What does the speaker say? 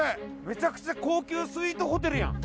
めちゃくちゃ高級スイートホテルやん